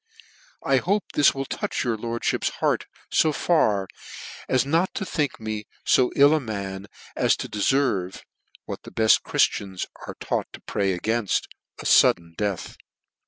<f I hope this will touch your lordfhip's heart fo far, as not to think me fo ill a man as to de ferve (what the beft of Chriftians are taught to pray againft) a fuddcn death.